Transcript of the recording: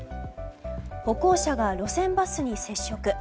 歩行者が路線バスに接触。